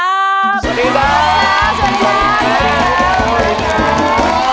สวัสดีครับ